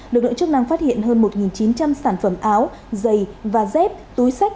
được đội chức năng phát hiện hơn một chín trăm linh sản phẩm áo giày và dép túi sách